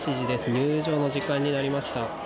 入場の時間になりました。